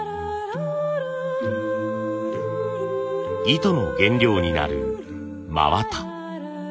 糸の原料になる真綿。